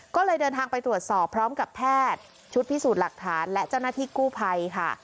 ก็เลยเดินทางไปตรวจสอบพร้อมกับแพทย์ชุดพิสูจน์หลักฐานและเจ้าหน้าที่กู้ภัยค่ะ